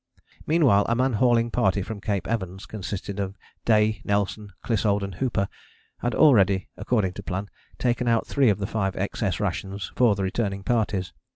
Meanwhile a man hauling party from Cape Evans, consisting of Day, Nelson, Clissold and Hooper, had already, according to plan, taken out three of the five XS rations for the returning parties.